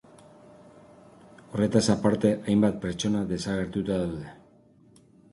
Horretaz aparte, hainbat pertsona desagertuta daude.